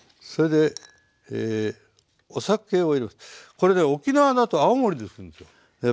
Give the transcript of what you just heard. これね沖縄だと泡盛でするんですよ。